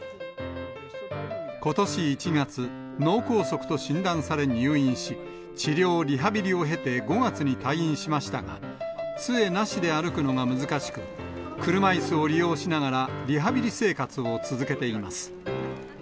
ことし１月、脳梗塞と診断され入院し、治療、リハビリを経て５月に退院しましたが、つえなしで歩くのが難しく、車いすを利用しながら、リハビリ生活を続けています。